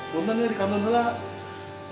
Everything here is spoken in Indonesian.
tumben nih di kantong belakang